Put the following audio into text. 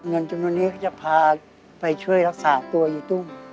เงินจำนวนนี้ก็จะพาไปช่วยรักษาตัวอยู่ตรง